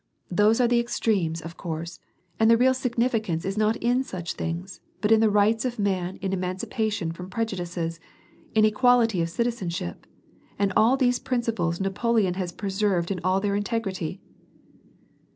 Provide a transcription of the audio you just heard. "Those are the extremes, of course, and the real signi* ficance is not in such things, but in the rights of man, in emancipation from prejudices, in equality of citizenship ; and all these principles Napoleon has preserved in all their integrity."